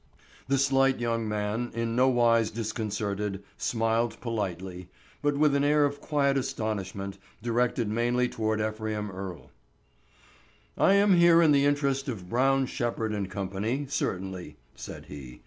The slight young man, in no wise disconcerted, smiled politely, but with an air of quiet astonishment directed mainly toward Ephraim Earle. "I am here in the interest of Brown, Shepherd, & Co., certainly," said he.